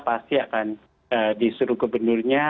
pasti akan disuruh kebenurnya